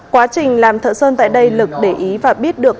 quá trình làm thợ sơn tại đây lực để ý và biết được